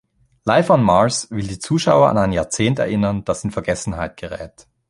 Life on Mars will die Zuschauer an ein Jahrzehnt erinnern, das in Vergessenheit gerät.